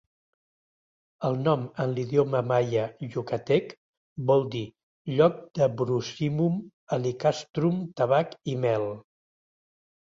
El nom en l'idioma maia Yucatec vol dir "Lloc de brosimum alicastrum, tabac i mel".